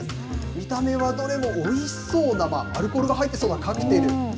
見た目はどれもおいしそうな、アルコールが入ってそうなカクテル。